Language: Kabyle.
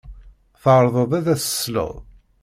Tɛerḍeḍ ad as-tesleḍ?